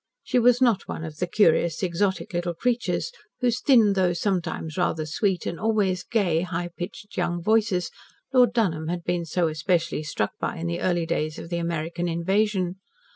She was not one of the curious, exotic little creatures, whose thin, though sometimes rather sweet, and always gay, high pitched young voices Lord Dunholm had been so especially struck by in the early days of the American invasion.